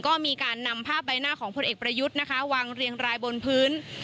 ก็มีการนำภาพใบหน้าของพลเอกประยุทธ์นะคะวางเรียงรายบนพื้น